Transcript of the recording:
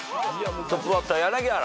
トップバッター柳原。